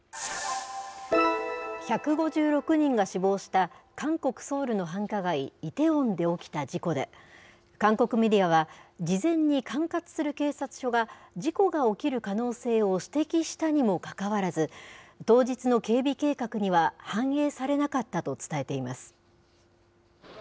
１５６人が死亡した韓国・ソウルの繁華街イテウォンで起きた事故で、韓国メディアは、事前に管轄する警察署が、事故が起きる可能性を指摘したにもかかわらず、当日の警備計画には反映されなかったと伝えています。